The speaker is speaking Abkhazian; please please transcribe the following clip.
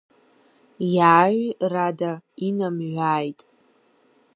Иааҩ-рада инамҩааит!